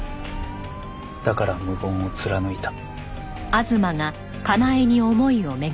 だから無言を貫いた。